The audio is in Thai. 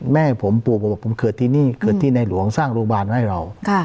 แม่ผมปลูกผมเคิดที่นี่เคิดที่แน่หลวงสร้างโรงพยาบาลให้เรา